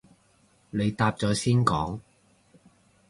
你答咗先講